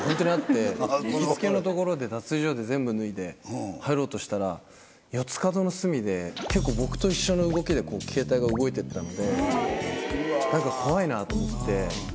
行きつけの所の脱衣所で全部脱いで入ろうとしたら四つ角の隅で僕と一緒の動きでケータイが動いてったので。と思って。